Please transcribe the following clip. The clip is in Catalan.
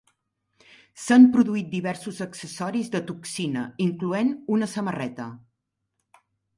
S'han produït diversos accessoris de Toxina, incloent una samarreta.